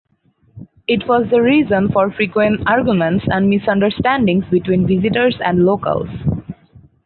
It was the reason for frequent arguments and misunderstandings between visitors and locals.